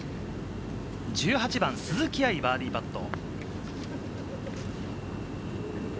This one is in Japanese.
１８番、鈴木愛、バーディーパット。